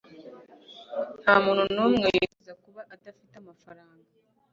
ntamuntu numwe wifuza kuba adafite amafaranga